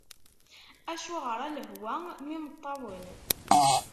Acuɣer a lehwa mm yimeṭṭawen!